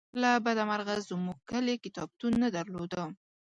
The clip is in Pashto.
له بده مرغه زمونږ کلي کتابتون نه درلوده